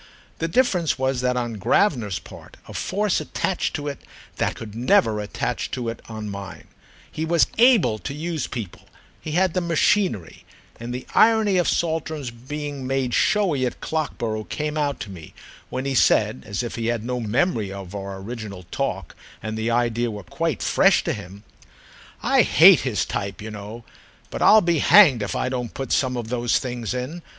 The difference was that on Gravener's part a force attached to it that could never attach to it on mine. He was able to use people—he had the machinery; and the irony of Saltram's being made showy at Clockborough came out to me when he said, as if he had no memory of our original talk and the idea were quite fresh to him: "I hate his type, you know, but I'll be hanged if I don't put some of those things in.